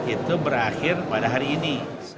itu berakhir pada hari ini